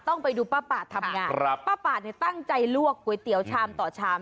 ต้องไปดูป้าป่าทำงานครับป้าป่าเนี่ยตั้งใจลวกก๋วยเตี๋ยวชามต่อชาม